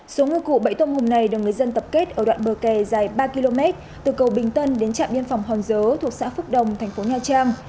số ngư cụ bãi tôm hùm này được người dân tập kết ở đoạn bờ kè dài ba km từ cầu bình tân đến trạm biên phòng hòn dấu thuộc xã phước đồng thành phố nha trang